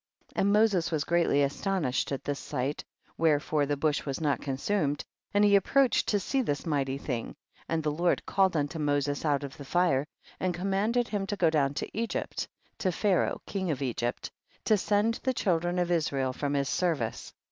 4. And Moses was greatly asto nished at this sight, wherefore the bush was not consumed, and he ap proached to see this mighty thing, and the Lord called unto Moses out of the fire and commanded him to go down to Egypt, to Pharaoh king of Egypt, to send the children of Israel from his service.